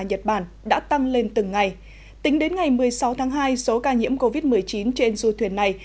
nhật bản đã tăng lên từng ngày tính đến ngày một mươi sáu tháng hai số ca nhiễm covid một mươi chín trên du thuyền này